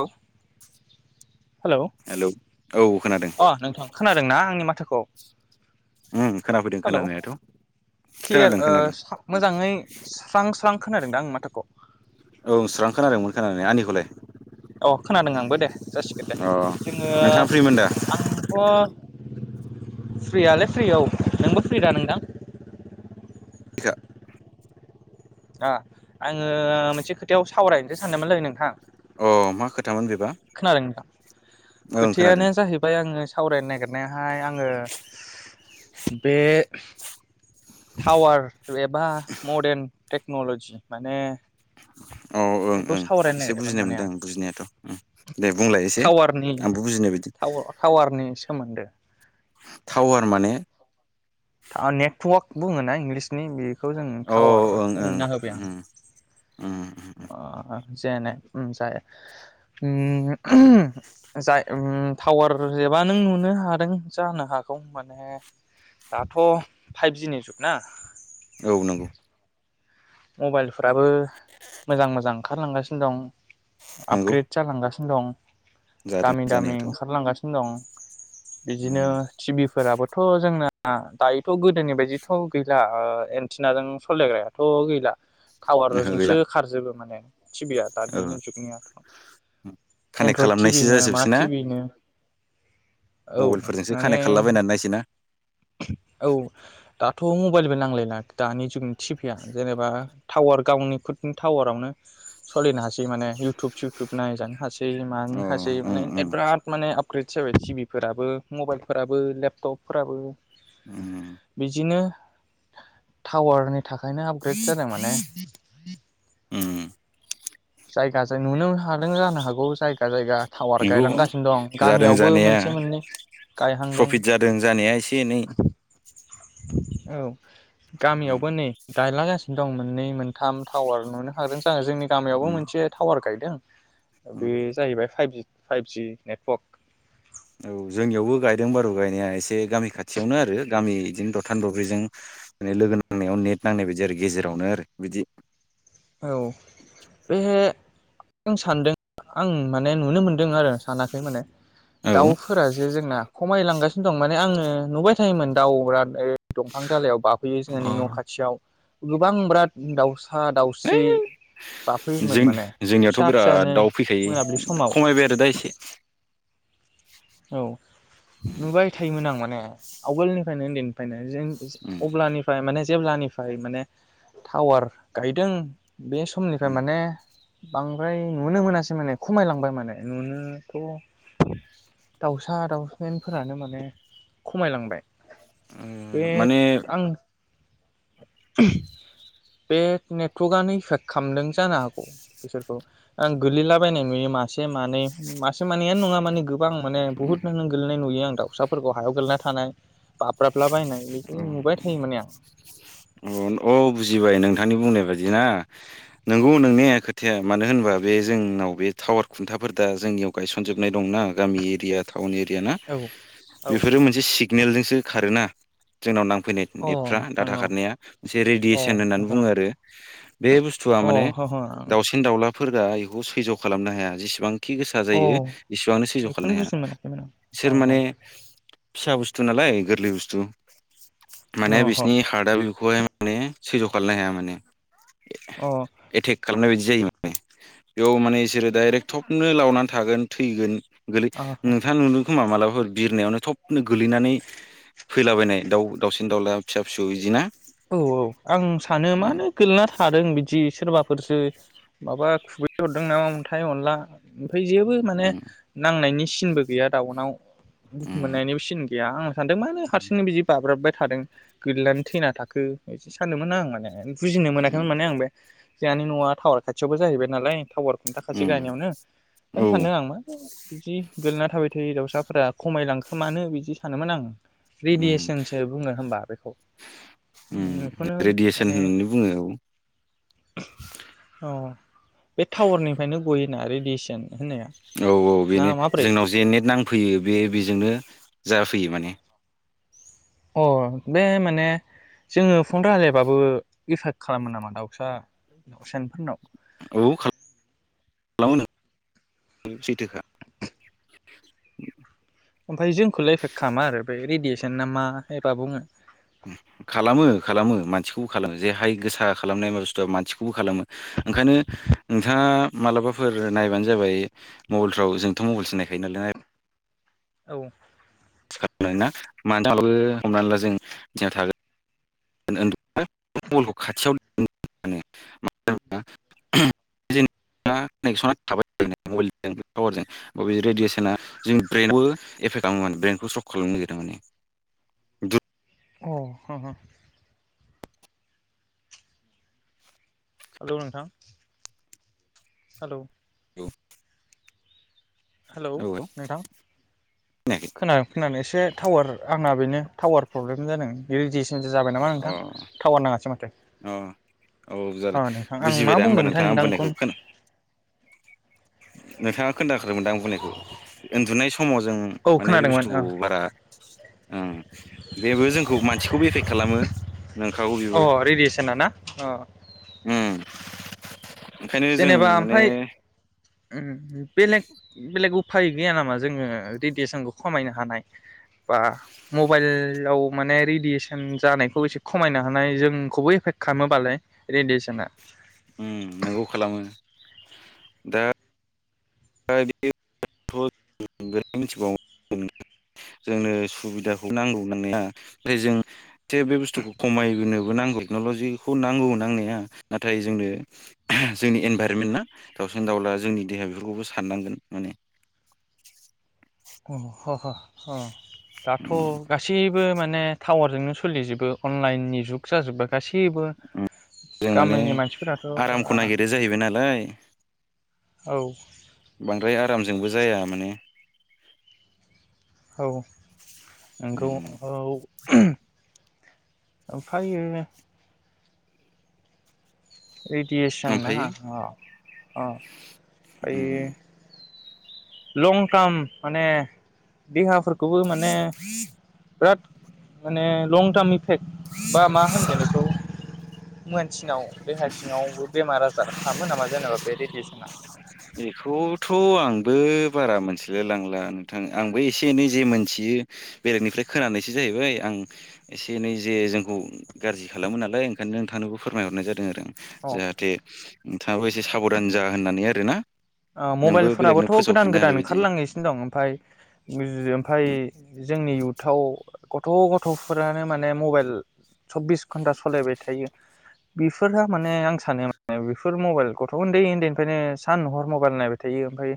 औ हेलौ औ खोनादों अ नोंथां खोनादोंना आंनि माथो उम खोनाफैदों [unintelligible] हेलौ खोनानायाथ' क्लियार खोनादों ओ खोनादों मोजाङै स्रां स्रां। खोनादोंदा आंनि माथाखौ? औ स्रां खोनादोंमोन खोनानाया, आंनिखौलाय? औ खोनादों आंबो दे। जासिगोन दे अ जोङो, नोंथाङा फ्रिमोन दा आंथ', [inaudible] फ्रियालाय फ्रि औ, नोंबो फ्रि दा नोंथां? ओ आङो मोनसे खोथायाव सावरायनोसो सानदोंमोनलै नोंथां। अ मा खो खोनादों नोंथां, ओं खोनादों खोथायानो जाहैबाय आङो सावरायनो नागिरनायहाय आङो [inaudible] बे टावार एबा मडार्न टेक्न'लजि माने औ ओं बेखौ ओं सावरायनो एसे नागिरमोन बुजिनाय माने मोनदों आं। बुजिनायाथ' उम दे बुंलाय एसे टावारनि आंबो बुजिनाय बायदि टावारनि सोमोन्दो। टावार माने था नेटवार्क बुङो ना इंलिसनि बे खौ जों औ टावार होनना होबाय आं। ओम। ओ जेने- ओम जा- ओम [unintelligible] जाय ओम टावार जबा नों नुनो हादों जानो हागौ माने दाथ' फाइभजिनि जुग ना। औ नंगौ। मबाइलफ्राबो मोजां मोजां ओंखारलांगासिनो दं। नंगौ आपग्रेड जालांगा दं। जादों दामि दामि जानायाथ' ओंखारलांगा दं। बिदिनो उम टि भि फोराबो थ' जोंना दायोथ' गोदोनि बायदिथ' गैला एन्टिनाजों सलिायग्रायाथ' गै ला। ओहो टावारजोंसो गैला खारजोबबो। माने टि भि या ओ दानि जुगनियाथ'। कानेक्ट एनड्रइड टि खालामनायसो भि नो मा जाजोबसै ना टि भि नो औ मबाइलफोरजोंसो माने कानेक्ट खालामलाबायनानै नायसै ना औ दा थ' मबाइलबो नांलायला दानि जुगनि टिफिया जेनेबा टावार गावनिफोरनि टावारावनो सलिनो हासै माने इउटुब सिटुब नायजानो अ हासि [unintelligible] उम माने उम आप आपग्रेड जाबाय टि भि फोराबो मबाइलफोराबो लेपटपफोराबो उम बिदिनो टावारनि थाखायनो आपग्रेड जादों माने उम जायगा जों नुनो हादों जानो हागौ जायगा जायगा टावार नंगौ गायलांगासिनो दं जादों गामियावबो जानाया मोनसे मोननै गायहांदों प्रफिट जादों जानाया एसे एनै औ उम गामियावबो नै गायलागासिनो दं मोननै मोनथाम टावार नुनो हादों [unintelligible] जोंनि गामियावबो उम मोनसे टावार गायदों [unintelligible] उम बे जाहैबाय फाइभजि फाइभजि नेटवर्क औ जोंनियावबो गायदों बारु गायनाया एसे गामि खाथियावनो आरो गामि बिदिनो दथान दब्रैजों माने लोगो नांनायाव नेट नांनाय बायदि आरो गेजेरावनो आरो बिदि औ बेह सानदों आं माने नुनो मोनदों आरो सानाखै माने औ दाउफोर जे जोंना खमायलांगासिनो दं माने आङो ओ नुबाय थायोमोन दाउ रा दंफां दालायाव बाफै बियो जोंहानि अ न' खाथियाव गोबां बिराद दाउसा दा हैइ जों जोंनियावथ' फिसा बिराद फिसानो दाउ फैखायो मोनाबिलि समाव खमायबाय आरो दा एसे औ नुबाय थायोमोन आं माने [unintelligible] आवगोलनिफ्रायनो उन्दैनिफ्रायनो जों उम अब्लानिफ्राय माने जेब्लानिफ्राय माने टावार गायदों बे समनिफ्राय उम माने बांद्राय नुनो मोनासै माने खमायलांबाय माने नुनोथ' दाउसा दाउसामेनफोरानो माने खमायलांबाय ओ [inaudible] बे माने आं [inaudible] बे नेटवर्कआनो इफेक्ट खालामदों जानो हागौ बिसोरखौ आं गोलैलाबायनाय नुयो मासे मानै मासे मानैआनो नङा माने गोबां माने उम बहुथ नां गोलैनाय नुयो आं दाउसाफोरखौ हायाव गोलैना थानाय बाब्राबला बायनाय बिदि नुबाय थायो माने आं [inaudible] अ औ बुजिबाय नोंथांनि बुंनाय बादि [unintelligible] नंगौ नोंनाया खोथाया मानो होनबा बे जोंनाव बे टावार खुन्थाफोर दा जोंनियाव गायसनजोबनाय दंना गामि एरिया [unintelligible] टाउन एरिया ना औ बेफोरो मोनसे सिगनेलजोंसो खारोना ट्रेननाव नां फैनाय नेटफ्रा अ डाटा नोंथां खारनाया मोनसे औ रेडियेसन अ होननानै हो बुङो आरो बे बुस्थुआ अ माने हो हो आं दाउसिन दाउला फोरदा एखौ सैज' खालामनो हाया जेसेबां खि गोसा अ जायो इसिबांनो सैज खालामनो बेखौनो हाया बुजिनो मोनाखैमोन बिसोर आं अ ह माने फिसा बुस्थु नालाय गोरलै बुसथु माने अ ह बिसिनि हार्द आ बेखौहाय माने सैज खालामनो हाया माने अ एथेक खालामनायब्ला जायो माने बेयाव माने बिसोरो डाइरेक्ट थपनो लावनानै थागोन थैगोन गोलै आ हा नोंथाङा नुदों खोमा मालाबा फोर बिरनायावनो थबनो गोलैनानै दावसिन दावलाया फिसा फिसौ इदिना औ औ आं सानो मानो गोलैना थादों बिदि सोरबा फोरसो माबा खुबै हरदों नामा अन्थाइ अनला खै जेबो माने नांनायनिस सिनबो गैया दाउनाव दुखु मोननायनिबो सिन गैयाआं सानदों मानो हारसिंनो बिदि बाब्राबबाय थादों गोलैनानै थैना थाखो खो इदिसो सानदोंमोन आं माने बुजिनो मोनाखैमोन माने आं बै जोंहानि न'आ टावार खाथियावबो जाहैबाय नालाय टावार खुन्थाखासे गायनायावनो औ सानदों आं मानो बिदि गोलैना थाबाय थायो दावउसाफोरा खमायलांखो मानो बिदि सानोमोन आं। रेडियेसनसो बुङो होमबा बेखौ उम बेखौनो रेडियेसन माने होननानै बुङो औ अ बे टावारनिफ्रायनो गयोना रेडियेसन होननाया औ औ ना बेनो माब्रै जोंनाव जे नेट नांफैयो बे बेजोंनो जाफैयो माने अ बे माने जोङो फन्द रायलायबाबो इफेक्ट खालामो नामा दाउसा दाउ सेनफोरनाव? औ खालामो नों सैथोखा ओमफाय जोंखौलार एफेक्ट खालामा आरो बे रेडियेसन ना मा एबा बुङो? बेखौ खालामो जे हाय गोसा खालामनाया बुस्थु मानसिखौबो खालामो ओंखायनो नोंथाङा मालाबाफोर नायबानो जाबाय मबाइलफ्राव जोंथ' मबाइलसो नायखायो नालाय औ सिखारनाय ना मानो हमनानै ला जों थिया थागोन। [unintelligible] खाथियाव मा होना जेनेबा कानेकसना थाबाय बिदिनो मबेलजों पावारजों बे रेडियेसना जोंनि ब्रेनावबो एफेक्ट खालामो माने ब्रइेनखौ स्ट्रक खालामनो नागिरदों माने अ हा हा हेलौ नोंथां। हेलौ औ हेलौ औ नोंथां खोनायाखै खोना खोनानो एसे टावार आंना बेनो टावार प्रब्लेम जादों। बेयो जेस दिनि जाबाय नामा अ नोंथां टावार नाङासै माथो औ जादों अ नोंथां आं बुजिबाय मा दा होमबा बुंदोंमोनथाय नोंथाङा आं बुंनायखौ नोंथांखौ? खोना नोंथाङा खोन्दाखादोमोन दां आं बुंनायखौ उन्दुनाय सम समाव जों औ माने बे खोनादोंमोन बुस्थुखौ बारा उम बेबो जोंखौ मानसिखौबो इफेक खालामो नोंखागौ अ बेबो रेडियेसना ना अ उम ओंखायनो जों माने उम उम बेलग बेलेग उब उफाय गैया नामा जोङो रेडियेसनखौ खमायनो हानाय बा मबाइलाव माने रेडियेसन जानायखौ एसे खमायनो हानाय जोंखौबो एफेक्ट खालामोबालाय रेडियेसना उम नोंगौ खालामो दा दा इदि [unintelligible] मिथिगौ जोंनो सुबिदाखौ नांगौ नांनाया ओफ्राय जों थे बे बुस्थुखौ खमायोबो नांगौ टेक्न'लजिखौ नांगौ नांनाया नाथाय जोंनो जोंनि इनभारमेन्ट ना दाउसिन दाउला जोंनि देहाफोरखौबो स सारनांगोन माने अ ह ह ह दाथ' उम गासैब बो माने टावारजोंनो सोलिजोबो अनलाइननि जुग जाजोब्बाय। गासैबो उम जों माने गामिनि मानसिफोराथ' बारा आरामखौ नागिरो जाहैबाय नालाय औ बांद्राय आरामजोंबो जाया माने औ नोंगौ उम औ ओमफ्रायो रेडियेसन आहा ओमफायो अ अ उम ओमफायो लं टार्म माने देहाफोर [inaudible] बिराद माने लं टार्मनि फेक बा मा होनगोन बेखौ मानसिनाव देहा सिङावबो बेमार आजार खालामो नामा जेनेबा बे रेडियसना थ' आंबो बारा मोनथिलाय लांला नोंथां आंबो एसे एनै जे मोनथियो बेलेगनिफ्राय खोनानायसो जाहैबाय आं एसे एनै जे जोंखौ गाज्रि खालामो नालाय ओंखायनो नोंथांनोबो फोरमायहरनाय जादों आरो आं जाहाथे नोंथाङाबो एसे साबधान जा होननानै आरो दोना आ मबाइलफोराबोथ' गोदान हानाय गोदान बायदि ओंखारलांगासिनो दं ओमफाय [unintelligible] ओमफाय जोंनि इउथ थाव गथ' गथ'फोरानो माने मबाइल सब्बिस घन्टा सालायबाय थायो बिफोरहा माने आं सानो माने बेफोर मबाइल गथ' उन्दै उन्दैनिफ्रायनो सान नहर म बाइल नायबाय थायो ओमफ्राय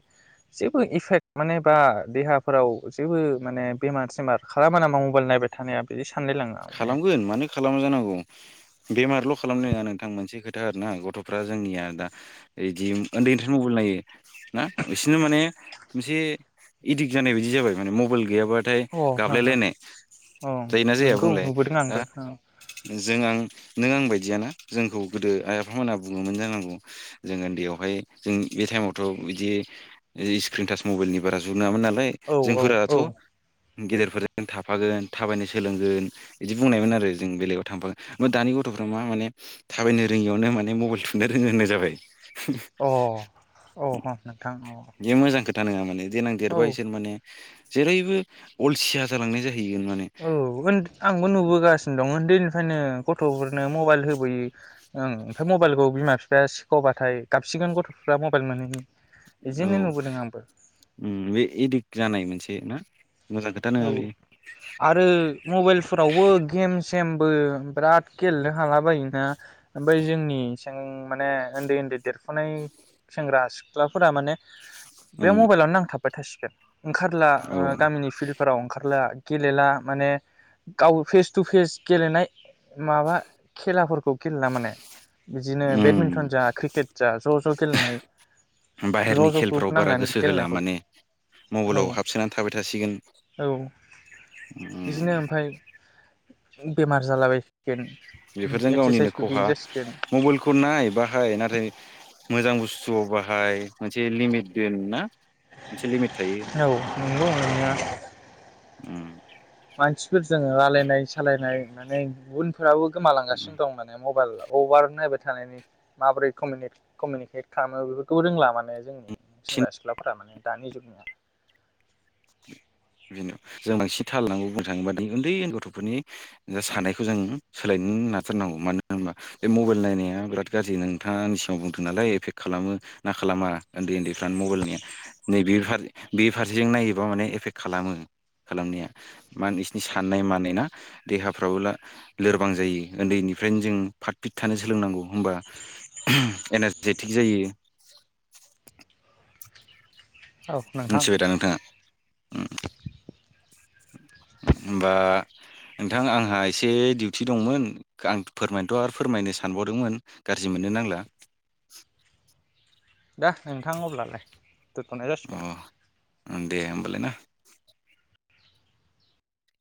जेबो इफेक्ट माने बा देहाफोराव जेबो माने बेमार सेमार खालामा नामा मबाइल नायबाय थानाया बिदि सानलायलाङो आं माने अ खालामगोन मानो खालामा जानांगौ बेमारल' खालामनो नोङा नोंथां मोनसे खोथा आरोना गथ'फ्रा जोंनिया दा इदि उन्दैनिफ्राय मबाइल नायो ना बिसिनो माने मोनसे एदिक जानाय बायदि जाबाय माने मबाइल गैयाबाथाय हो हो गाबलायलायनाय औ जायोना जाया नोंगौ नुबोदों आ आंबो जों आं नों आं बायदियानो जोंखौ गोदो आइ आफामोनहा बुङोमोन जानांगौ जों उन्दैयावहाय जों बे टाइमावथ' बिदि स्क्रिन टाच मबाइलनि बारा जु नोङामोन नालाय औ औ जोंफोराथ' औ गेदेरफोरजों थाफागोन थाबायनो सोलोंगोन। बिदि बुंनायमोन आरो जों बेलेगाव थांफागोन मा दानि गथ'फ्रा मा माने थाबायनो रोङियावनो माने मबाइल थुनो रोङो होननाय जाबाय। औ अ ह नोंथां अ बे मोजां खोथा नोङा माने देनां औ देरबा इसोर माने जेरैबो अलसिया जालांनाय जायो। हैगोन माने औ आंबो नुबोगासिनो दङ उन्दैनिफायनो गथ'फोरनो मबाइल होबोयो ओं ओमफ्राय मबाइलखौ बिमा बिफाया सिखबाथाय गाबसिगोन गथ'फ्रा मबाइल मोनिनि औ ओम बे एदिक्ट जानाय मोनसे ना मोजां खोथा औ नङा बेयो आरो मबाइलफोरावबो गेमस सेमबो बिराद गेलेनो हाला बायोना बै जोंनि सें माने उन्दै उन्दै देरफुनाय सेंग्रा सिख्लाफोरा माने बे उम मबाइलावनो नांथाब बाय थासिगोन? ओंखारला औ ओ गामिनि फिल - ला गेलेला माने गावबो फेस टु फेस गेलेनाय माबा खेलाफोरखौ गेलेला माने बिदिनो बेडमिन्टन उम जा क्रिकेट जा ज' ज' गेलेनाय ज' बाहेरनि ज' खेलफ्राव ग्रुप बारा नांनानै गोसो होला गेलेनायखौ, माने मबाइलाव हाबसोनानै थाबाय थासिगोन औ औ उम बिदिनो ओमफाय बेमार जालाबायो बेफोरजों गावनिनो खहा जासिगोन मबेलखौ नाय बाहाय नाथाय मोजां बुस थुआव बाहाय मोनसे लिमित दोन ना? मोनसे लिमिट थायो औ नोंगौ नंनाया उम [unintelligible] आबो गोमालांगासिनो बांसिन दं माने म बाइल अभार नायबाय थानायनि माबोरै कमिनेट-कमिउनिकेट खालामो बेफोरखौबो रोंला माने जोंनि सेंग्रा सिख्लाफोरा माने दानि जुगनिया। बेनो जों बांसिन थाल लाबा मोजांबादि ओन्दै ओन्दै गथ'फोरनि जा साननायखौ जों सोलायनो नाजाथारनांगौ मानो होनबा बे मबाइल नायनाया बिराद गाज्रि नोंथांनि सिगाङाव बुंदों नालाय एफेक्ट खालामो ना खालामा? ओन्दै ओन्दै [unintelligible] नैबे फारि बे फारसेजों नायोबा माने एफेक्ट खालामो खालामनाया मा बिसिनि साननाय मानाय ना देहाफ्राबो ला लोरबां जायो। ओन्दैनिफ्रायनो जों फाट फिट थानो सोलोंनांगौ होमबा एनारजेटिक जायो। औ नोंथां मिथिबाय दा नोंथाङा? उम। होमबा नोंथां आंहा एसे डिउटि दंमोन आं फोरमायनोथ' आरो फोरमायनो सानबावदोंमोन गारजि मोननो नांला। दे नोंथां अब्लालाय दोन्थ'नाय जासिगोन। अ दे [inaudible]